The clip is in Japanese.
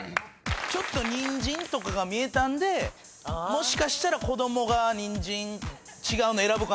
ちょっとニンジンとかが見えたんでもしかしたら子供がニンジン違うの選ぶかなとか。